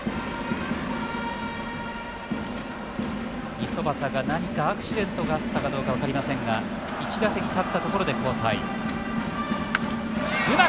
五十幡が何かアクシデントがあったか分かりませんが１打席、立ったところで交代。